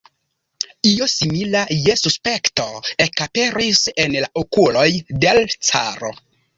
Io simila je suspekto ekaperis en la okuloj de l' caro.